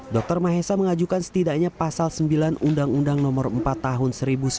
dr mahesa mengajukan setidaknya pasal sembilan undang undang nomor empat tahun seribu sembilan ratus sembilan puluh